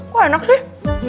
kok enak sih